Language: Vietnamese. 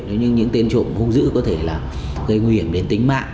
nếu như những tên trộm hung dữ có thể là gây nguy hiểm đến tính mạng